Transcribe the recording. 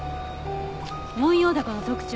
モンヨウダコの特徴。